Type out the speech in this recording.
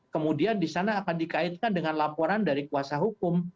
kemudian disana akan dikaitkan dengan laporan dari kuasa hukum